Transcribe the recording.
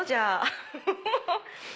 ウフフフ。